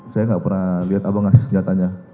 saya tidak pernah lihat abang memberikan senjatanya